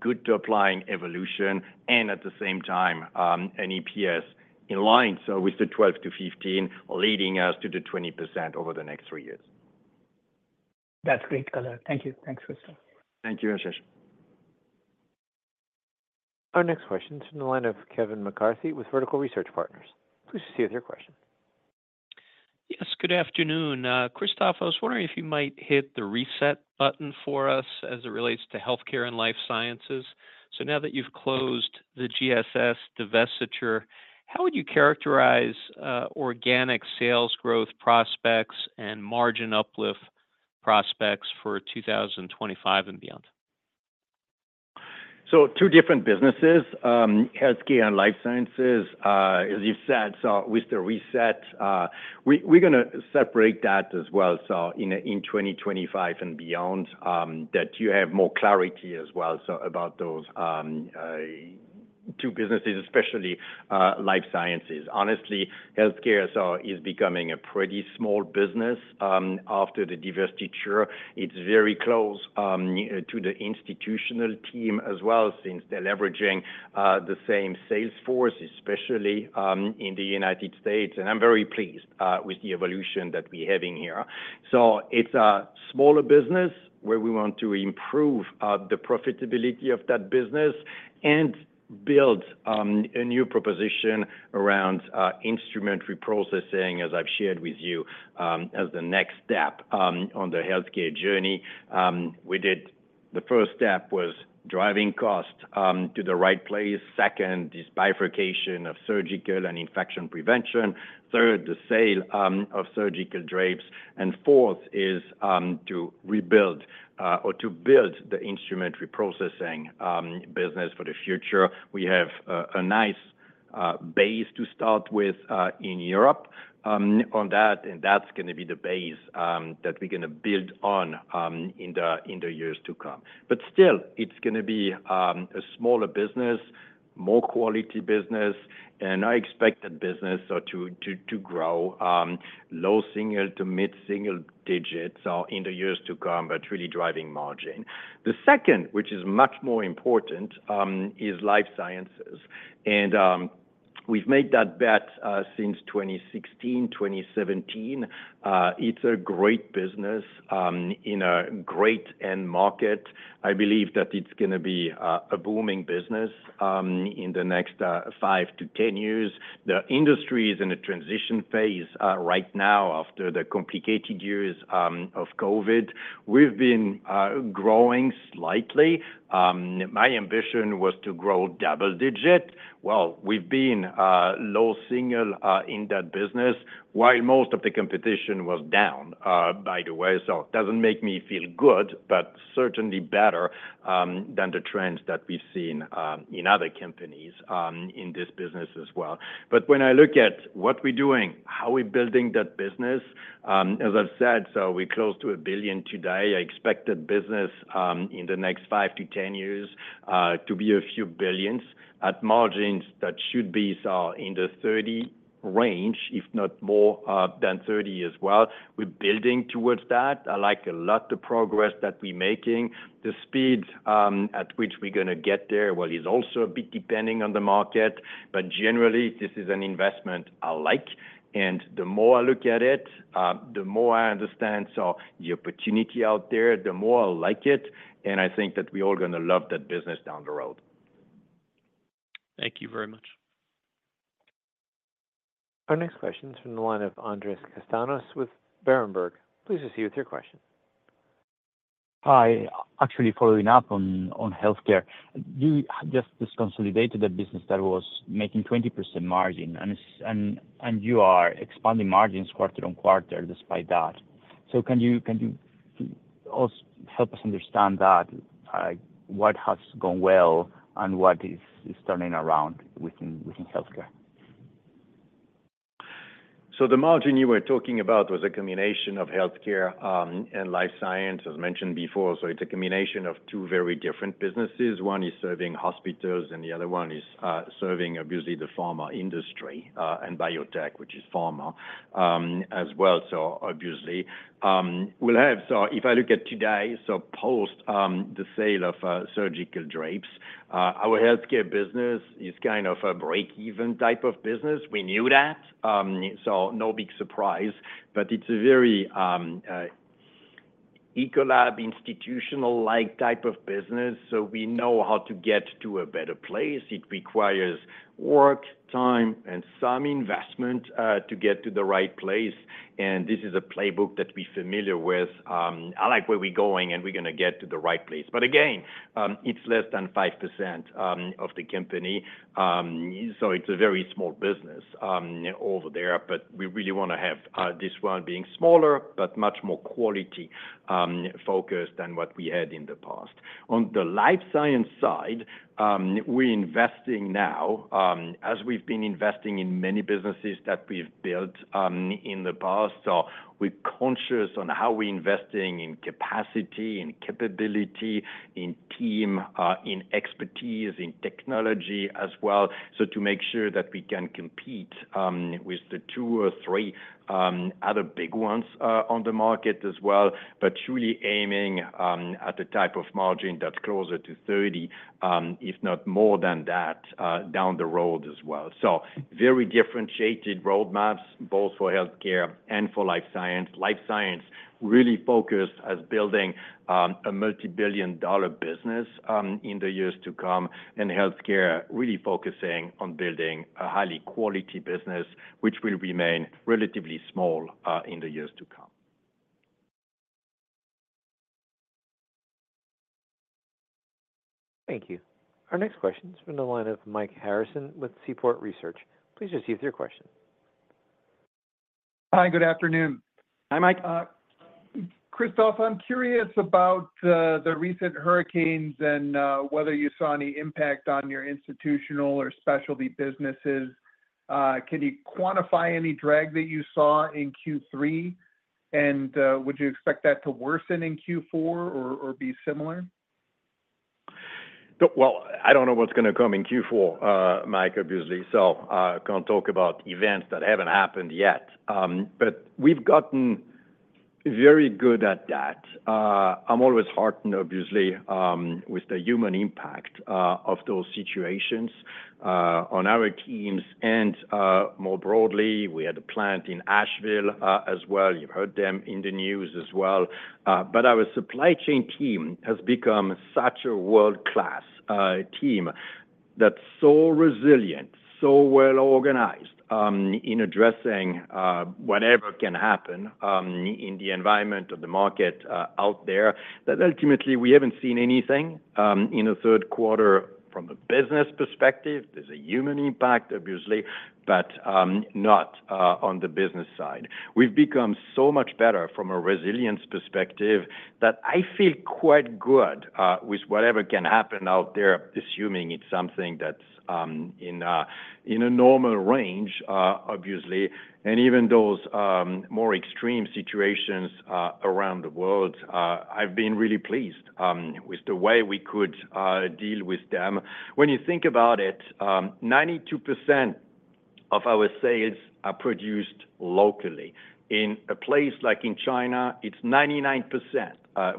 good topline evolution and at the same time an EPS in line. So with the 12%-15% leading us to the 20% over the next three years. That's great, color. Thank you. Thanks, Christopher. Thank you, Ashish. Our next question is from the line of Kevin McCarthy with Vertical Research Partners. Please proceed with your question. Yes, good afternoon. Christophe, I was wondering if you might hit the reset button for us as it relates to Healthcare and Life Sciences. So now that you've closed the GSS divestiture, how would you characterize organic sales growth prospects and margin uplift prospects for 2025 and beyond? Two different businesses, Healthcare and Life Sciences, as you said. With the reset, we're going to separate that as well in 2025 and beyond. That you have more clarity as well about those two businesses, especially Life Sciences. Honestly, Healthcare is becoming a pretty small business after the divestiture. It's very close to the institutional team as well since they're leveraging the same sales force, especially in the United States. I'm very pleased with the evolution that we're having here. It's a smaller business where we want to improve the profitability of that business and build a new proposition around instrument reprocessing, as I've shared with you, as the next step on the Healthcare journey. The first step was driving cost to the right place. Second, this bifurcation of surgical and infection prevention. Third, the sale of surgical drapes. Fourth is to rebuild or to build the instrument reprocessing business for the future. We have a nice base to start with in Europe on that, and that's going to be the base that we're going to build on in the years to come. But still, it's going to be a smaller business, more quality business, and I expect that business to grow low single- to mid-single-digit in the years to come, but really driving margin. The second, which is much more important, is Life Sciences. We've made that bet since 2016, 2017. It's a great business in a great end market. I believe that it's going to be a booming business in the next five to 10 years. The industry is in a transition phase right now after the complicated years of COVID. We've been growing slightly. My ambition was to grow double-digit. We've been low single in that business while most of the competition was down, by the way. So it doesn't make me feel good, but certainly better than the trends that we've seen in other companies in this business as well. But when I look at what we're doing, how we're building that business, as I've said, so we're close to $1 billion today. I expect that business in the next 5-10 years to be a few billions at margins that should be in the 30% range, if not more than 30% as well. We're building towards that. I like a lot the progress that we're making. The speed at which we're going to get there, well, is also a bit depending on the market. But generally, this is an investment I like. The more I look at it, the more I understand the opportunity out there, the more I like it. I think that we're all going to love that business down the road. Thank you very much. Our next question is from the line of Andres Castanos with Berenberg. Please proceed with your question. Hi. Actually, following up on Healthcare, you just deconsolidated a business that was making 20% margin, and you are expanding margins quarter on quarter despite that. So can you help us understand that? What has gone well and what is turning around within Healthcare? The margin you were talking about was a combination of Healthcare and life science, as mentioned before. It's a combination of two very different businesses. One is serving hospitals, and the other one is serving obviously the pharma industry and Biotech, which is pharma as well, so obviously. If I look at today, post the sale of surgical drapes, our Healthcare business is kind of a break-even type of business. We knew that, so no big surprise. It's a very Ecolab institutional-like type of business. We know how to get to a better place. It requires work, time, and some investment to get to the right place. This is a playbook that we're familiar with. I like where we're going, and we're going to get to the right place. Again, it's less than 5% of the company. It's a very small business over there. We really want to have this one being smaller, but much more quality-focused than what we had in the past. On the Life Sciences side, we're investing now, as we've been investing in many businesses that we've built in the past. We're conscious on how we're investing in capacity, in capability, in team, in expertise, in technology as well, so to make sure that we can compete with the two or three other big ones on the market as well, but truly aiming at a type of margin that's closer to 30, if not more than that down the road as well. Very differentiated roadmaps, both for Healthcare and for Life Sciences. Life Sciences really focused on building a multi-billion-dollar business in the years to come, and Healthcare really focusing on building a high-quality business, which will remain relatively small in the years to come. Thank you. Our next question is from the line of Mike Harrison with Seaport Research. Please proceed with your question. Hi, good afternoon. Hi, Mike. Christophe, I'm curious about the recent hurricanes and whether you saw any impact on your institutional or specialty businesses. Can you quantify any drag that you saw in Q3, and would you expect that to worsen in Q4 or be similar? I don't know what's going to come in Q4, Mike, obviously. So I can't talk about events that haven't happened yet. But we've gotten very good at that. I'm always heartened, obviously, with the human impact of those situations on our teams. And more broadly, we had a plant in Asheville as well. You've heard them in the news as well. But our supply chain team has become such a world-class team that's so resilient, so well-organized in addressing whatever can happen in the environment of the market out there that ultimately we haven't seen anything in the third quarter from a business perspective. There's a human impact, obviously, but not on the business side. We've become so much better from a resilience perspective that I feel quite good with whatever can happen out there, assuming it's something that's in a normal range, obviously. And even those more extreme situations around the world, I've been really pleased with the way we could deal with them. When you think about it, 92% of our sales are produced locally. In a place like in China, it's 99%,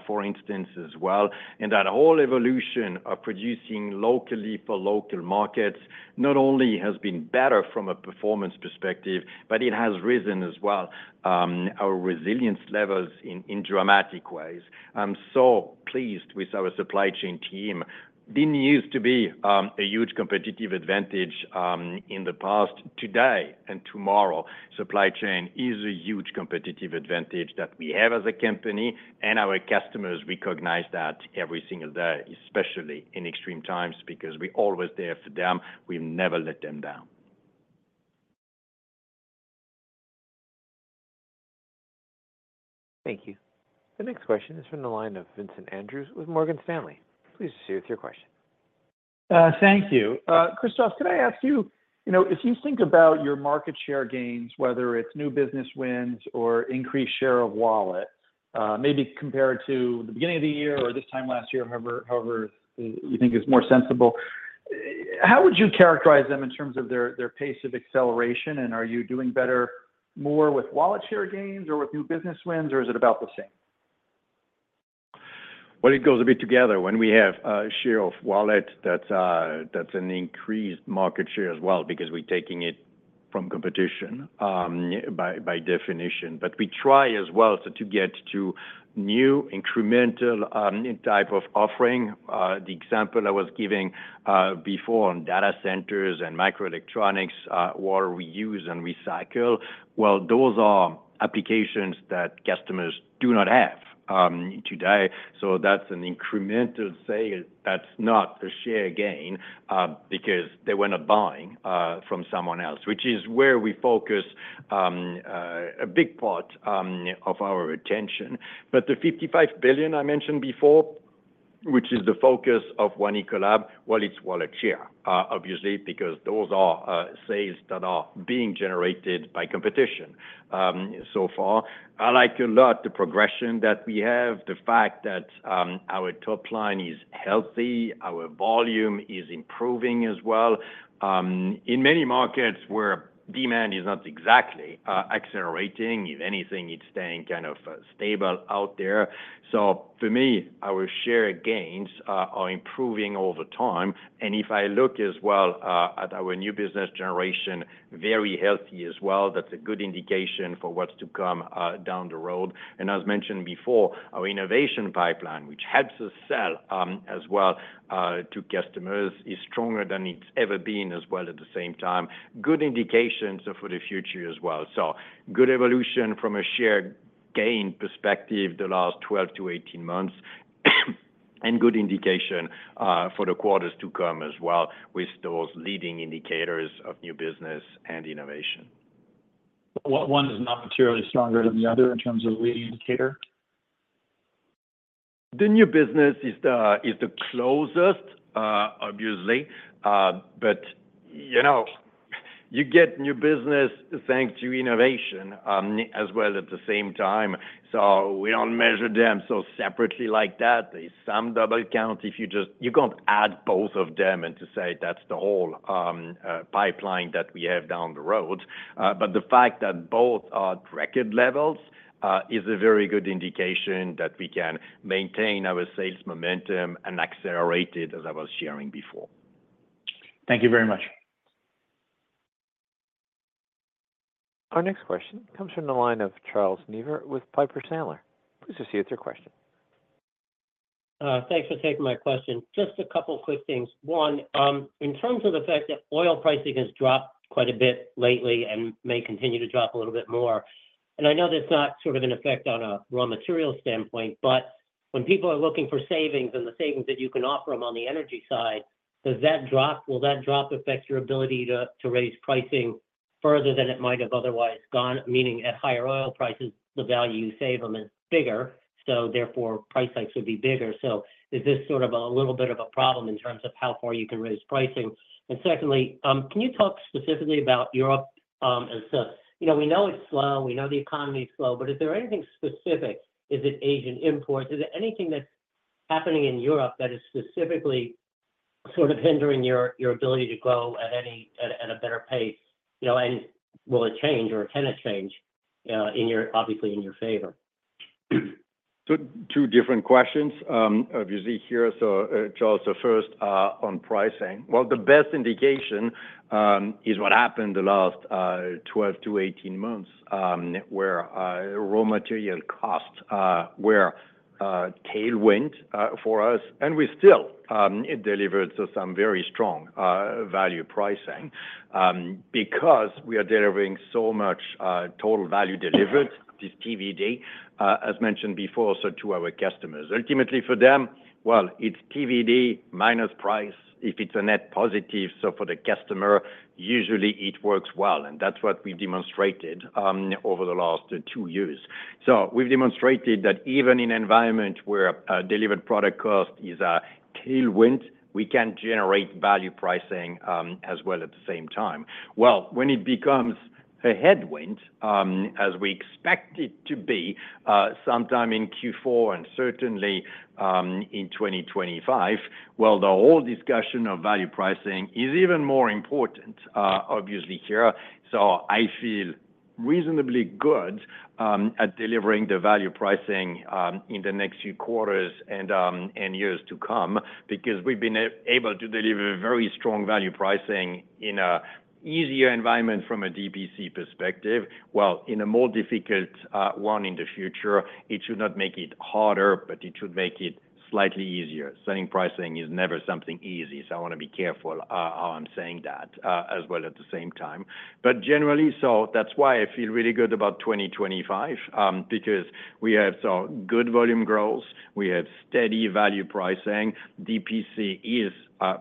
for instance, as well. That whole evolution of producing locally for local markets not only has been better from a performance perspective, but it has raised as well our resilience levels in dramatic ways. I'm so pleased with our supply chain team. It didn't use to be a huge competitive advantage in the past. Today and tomorrow, supply chain is a huge competitive advantage that we have as a company, and our customers recognize that every single day, especially in extreme times, because we're always there for them. We've never let them down. Thank you. The next question is from the line of Vincent Andrews with Morgan Stanley. Please proceed with your question. Thank you. Christophe, can I ask you, if you think about your market share gains, whether it's new business wins or increased share of wallet, maybe compared to the beginning of the year or this time last year, however you think is more sensible, how would you characterize them in terms of their pace of acceleration? And are you doing better more with wallet share gains or with new business wins, or is it about the same? It goes a bit together when we have a share of wallet that's an increased market share as well because we're taking it from competition by definition. But we try as well to get to new incremental type of offering. The example I was giving before on data centers and microelectronics, water reuse and recycle, well, those are applications that customers do not have today. So that's an incremental sale that's not a share gain because they were not buying from someone else, which is where we focus a big part of our attention. But the $55 billion I mentioned before, which is the focus of One Ecolab, well, it's wallet share, obviously, because those are sales that are being generated by competition so far. I like a lot the progression that we have, the fact that our top line is healthy, our volume is improving as well. In many markets where demand is not exactly accelerating, if anything, it's staying kind of stable out there. So for me, our share gains are improving over time. And if I look as well at our new business generation, very healthy as well, that's a good indication for what's to come down the road. And as mentioned before, our innovation pipeline, which helps us sell as well to customers, is stronger than it's ever been as well at the same time. Good indications for the future as well. So good evolution from a share gain perspective the last 12-18 months and good indication for the quarters to come as well with those leading indicators of new business and innovation. What one is not materially stronger than the other in terms of lead indicator? The new business is the closest, obviously. But you get new business thanks to innovation as well at the same time. So we don't measure them so separately like that. There's some double count if you just can't add both of them and to say that's the whole pipeline that we have down the road. But the fact that both are record levels is a very good indication that we can maintain our sales momentum and accelerate it, as I was sharing before. Thank you very much. Our next question comes from the line of Charles Neivert with Piper Sandler. Please proceed with your question. Thanks for taking my question. Just a couple of quick things. One, in terms of the fact that oil pricing has dropped quite a bit lately and may continue to drop a little bit more. And I know that's not sort of an effect on a raw material standpoint, but when people are looking for savings and the savings that you can offer them on the energy side, does that drop, will that drop affect your ability to raise pricing further than it might have otherwise gone? Meaning at higher oil prices, the value you save them is bigger. So therefore, price hikes would be bigger. So is this sort of a little bit of a problem in terms of how far you can raise pricing? And secondly, can you talk specifically about Europe? We know it's slow. We know the economy is slow. But is there anything specific? Is it Asian imports? Is it anything that's happening in Europe that is specifically sort of hindering your ability to grow at a better pace? And will it change or can it change obviously in your favor? Two different questions, obviously, here. So first on pricing. Well, the best indication is what happened the last 12-18 months where raw material costs were tailwind for us. And we still delivered some very strong value pricing because we are delivering so much total value delivered, this TVD, as mentioned before, so to our customers. Ultimately, for them, well, it's TVD minus price if it's a net positive. So for the customer, usually it works well. And that's what we've demonstrated over the last two years. So we've demonstrated that even in an environment where delivered product cost is a tailwind, we can generate value pricing as well at the same time. Well, when it becomes a headwind, as we expect it to be sometime in Q4 and certainly in 2025, well, the whole discussion of value pricing is even more important, obviously, here. So I feel reasonably good at delivering the value pricing in the next few quarters and years to come because we've been able to deliver very strong value pricing in an easier environment from a DPC perspective. Well, in a more difficult one in the future, it should not make it harder, but it should make it slightly easier. Selling pricing is never something easy. So I want to be careful how I'm saying that as well at the same time. But generally, so that's why I feel really good about 2025 because we have some good volume growth. We have steady value pricing. DPC is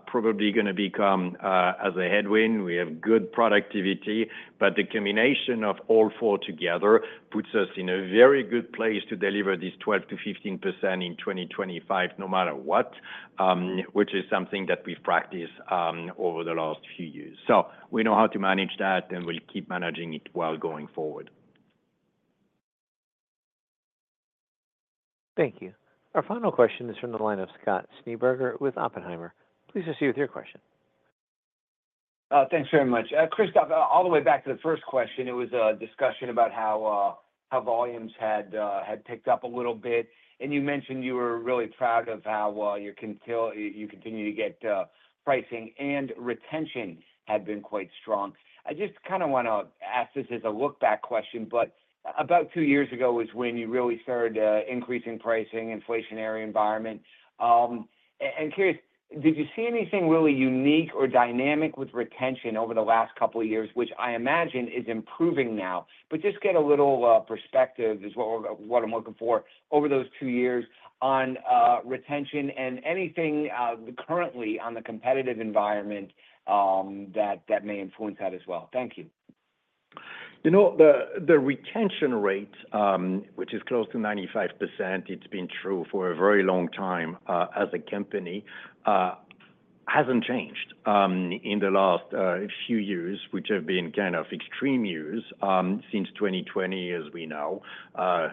probably going to become a headwind. We have good productivity. but the combination of all four together puts us in a very good place to deliver this 12%-15% in 2025 no matter what, which is something that we've practiced over the last few years, so we know how to manage that, and we'll keep managing it well going forward. Thank you. Our final question is from the line of Scott Schneeberger with Oppenheimer. Please proceed with your question. Thanks very much. Christophe, all the way back to the first question, it was a discussion about how volumes had picked up a little bit. And you mentioned you were really proud of how you continue to get pricing and retention had been quite strong. I just kind of want to ask this as a look-back question, but about two years ago was when you really started increasing pricing, inflationary environment. I'm curious, did you see anything really unique or dynamic with retention over the last couple of years, which I imagine is improving now? But just get a little perspective is what I'm looking for over those two years on retention and anything currently on the competitive environment that may influence that as well. Thank you. The retention rate, which is close to 95%. It's been true for a very long time as a company, hasn't changed in the last few years, which have been kind of extreme years since 2020, as we know.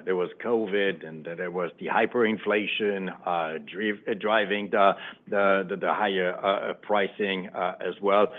There was COVID, and there was the hyperinflation driving the higher pricing as well.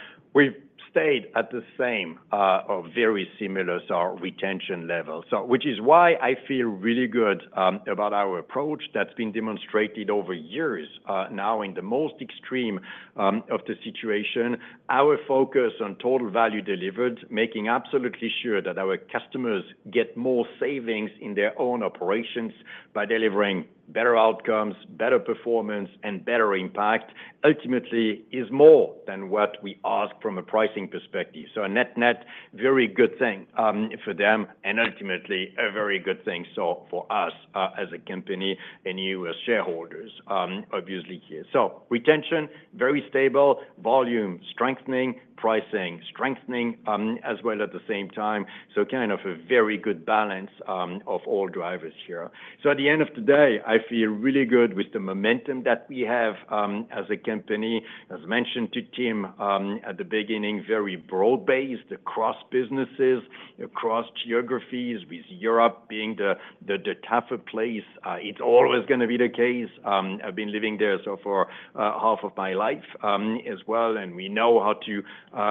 We've stayed at the same or very similar retention levels, which is why I feel really good about our approach that's been demonstrated over years now in the most extreme of the situation. Our focus on total value delivered, making absolutely sure that our customers get more savings in their own operations by delivering better outcomes, better performance, and better impact, ultimately is more than what we ask from a pricing perspective, so a net-net very good thing for them and ultimately a very good thing for us as a company and you as shareholders, obviously here. Retention, very stable, volume strengthening, pricing strengthening as well at the same time. So kind of a very good balance of all drivers here. So at the end of the day, I feel really good with the momentum that we have as a company. As mentioned to Tim at the beginning, very broad-based across businesses, across geographies, with Europe being the tougher place. It's always going to be the case. I've been living there so far half of my life as well. And we know how to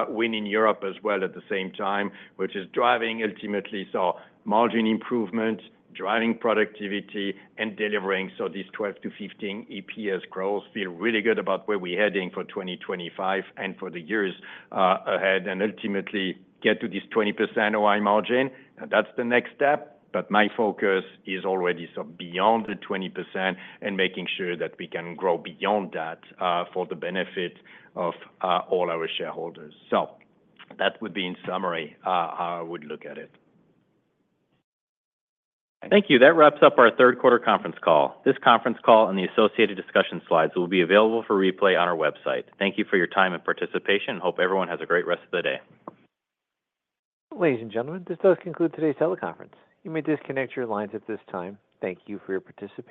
win in Europe as well at the same time, which is driving ultimately margin improvement, driving productivity, and delivering. So these 12-15 EPS growth, feel really good about where we're heading for 2025 and for the years ahead and ultimately get to this 20% OI margin. That's the next step. But my focus is already beyond the 20% and making sure that we can grow beyond that for the benefit of all our shareholders. So that would be in summary how I would look at it. Thank you. That wraps up our third quarter conference call. This conference call and the associated discussion slides will be available for replay on our website. Thank you for your time and participation. Hope everyone has a great rest of the day. Ladies and gentlemen, this does conclude today's teleconference. You may disconnect your lines at this time. Thank you for your participation.